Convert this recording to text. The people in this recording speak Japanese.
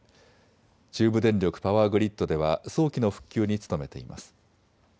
中部電力パワーグリッドでは早期の復旧に努めています。